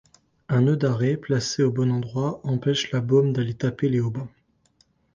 Un nœud d'arrêt placé au bon endroit empêche la bôme d'aller taper les haubans.